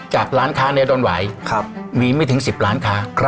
จากร้านค้าในดอนวัยมีไม่ถึง๑๐ร้านค้า